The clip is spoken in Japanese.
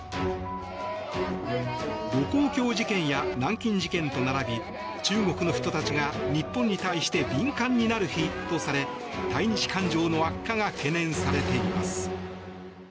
盧溝橋事件や南京事件と並び中国の人たちが日本に対して敏感になる日とされ対日感情の悪化が懸念されています。